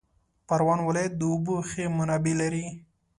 پروان ولایت د اوبو ښې منابع لري